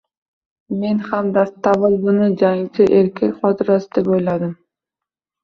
Men ham dastavval buni jangchi erkak xotirasi deb o`yladim